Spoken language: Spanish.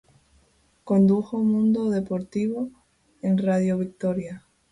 Condujo "Mundo Deportivo" en Radio Victoria.